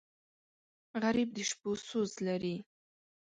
غریب د شپو سوز لري